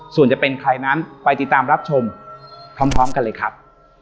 ส่วนจะเป็นใครนั้นไปติดตามรับชมพร้อมกันเลยครับ